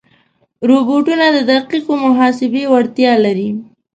روبوټونه د دقیقو محاسبې وړتیا لري.